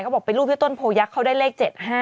บอกเป็นรูปที่ต้นโพยักษ์เขาได้เลข๗๕